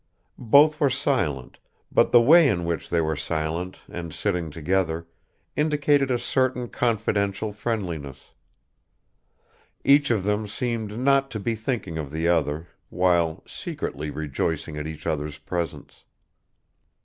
Both were silent, but the way in which they were silent and sitting together indicated a certain confidential friendliness; each of them seemed not to be thinking of the other, while secretly rejoicing at each other's presence.